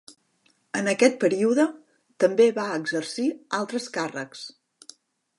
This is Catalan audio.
En aquest període també va exercir altres càrrecs.